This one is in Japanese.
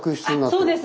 そうです。